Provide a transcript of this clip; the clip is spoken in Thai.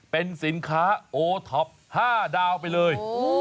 เป็นสินค้าโอท็อป๕ดาวไปเลย